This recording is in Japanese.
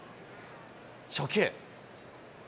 初球。